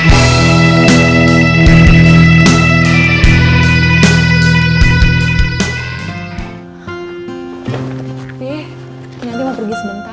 eh kinanti mau pergi sebentar